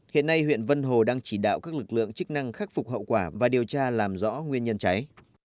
hiện nay huyện vân hồ đang chỉ đạo các lực lượng chức năng khắc phục hậu quả và điều tra làm rõ nguyên nhân cháy